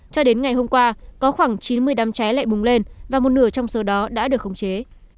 cho đến ngày hôm qua có khoảng chín mươi đám cháy lại bùng lên và một nửa trong số đó đã được khống chế